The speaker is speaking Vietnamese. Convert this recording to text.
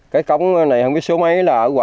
cái cống này không biết số mấy